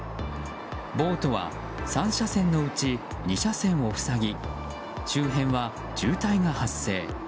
ボートは３車線のうち２車線を塞ぎ周辺は渋滞が発生。